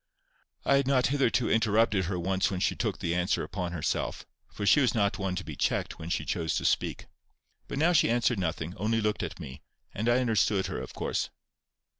I had not hitherto interrupted her once when she took the answer upon herself, for she was not one to be checked when she chose to speak. But now she answered nothing, only looked at me, and I understood her, of course.